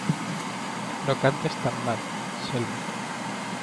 ¡No cantes tan mal, Selma!